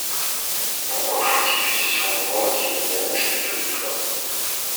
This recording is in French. Pourquoi faut-il que ce soit moi qui me dérange plutôt que toi ?